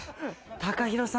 ＴＡＫＡＨＩＲＯさん